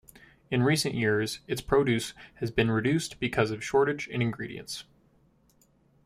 In recent years its produce has been reduced because of shortage in ingredients.